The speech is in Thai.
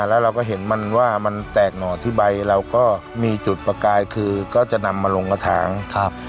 แล้วเราก็เห็นมันว่ามันแตกหน่อที่ใบเราก็มีจุดประกายคือก็จะนำมาลงกระถางครับ